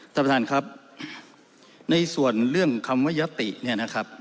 ท่านประธานครับในส่วนเรื่องคำว่ายติ